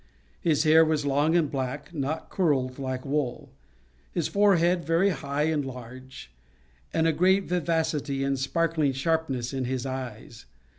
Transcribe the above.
His hair was long and black, not curled like wool; his forehead very high and large; and a great vivacity and sparkling sharpness in his eyes.